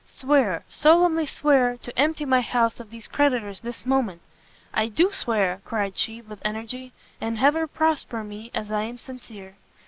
"Swear, solemnly swear, to empty my house of these creditors this moment!" "I do swear," cried she, with energy, "and Heaven prosper me as I am sincere!"